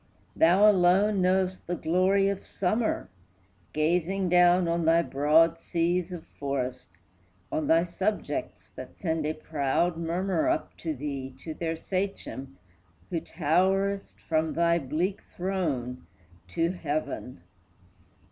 Thou alone know'st the glory of summer, Gazing down on thy broad seas of forest, On thy subjects that send a proud murmur Up to thee, to their sachem, who towerest From thy bleak throne to heaven.